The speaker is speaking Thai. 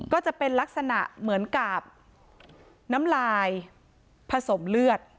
ก็จะเป็นลักษณะเหมือนกับน้ำลายผสมเลือด